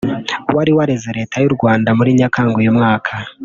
wari wareze Leta y’u Rwanda muri Nyakanga uyu mwaka